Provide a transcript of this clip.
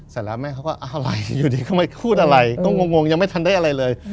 เสร็จแล้วแม่เขาก็อะไรอยู่ดีทำไมพูดอะไรก็งงยังไม่ทันได้อะไรเลย